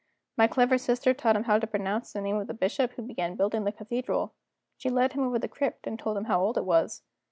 My clever sister taught him how to pronounce the name of the bishop who began building the cathedral; she led him over the crypt, and told him how old it was.